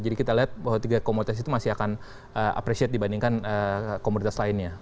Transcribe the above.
jadi kita lihat bahwa tiga komoditas itu masih akan appreciate dibandingkan komoditas lainnya